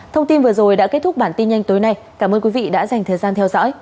thông tin vừa rồi đã kết thúc bản tin nhanh tối nay cảm ơn quý vị đã dành thời gian theo dõi